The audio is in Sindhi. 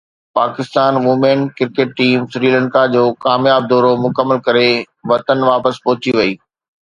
Pakistan women cricket team Sri Lanka جو ڪامياب دورو مڪمل ڪري وطن واپس پهچي وئي